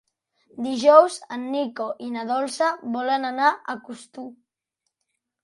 Dijous en Nico i na Dolça volen anar a Costur.